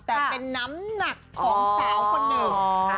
แต่เป็นน้ำหนักของสาวคนหนึ่ง